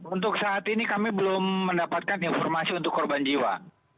untuk saat ini kami belum mendapatkan informasi untuk korban jiwa